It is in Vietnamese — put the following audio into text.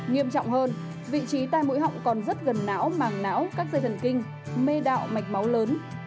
nghiêm trọng hơn vị trí tai mũi họng còn rất gần não màng não các dây thần kinh mê đạo mạch máu lớn